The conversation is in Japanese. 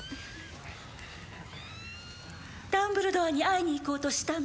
ダンブルドアに会いに行こうとしたの？